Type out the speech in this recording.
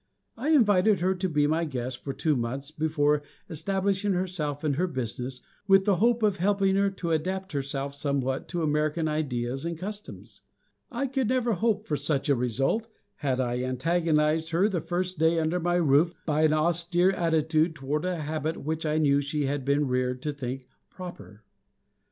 I invited her to be my guest for two months, before establishing herself in her business, with the hope of helping her to adapt herself somewhat to American ideas and customs. I could never hope for such a result, had I antagonized her the first day under my roof by an austere attitude toward a habit which I knew she had been reared to think proper.